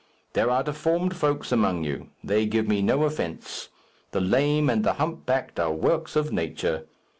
There are deformed folks amongst you. They give me no offence. The lame and the humpbacked are works of nature.